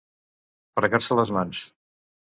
Fregar-se les mans.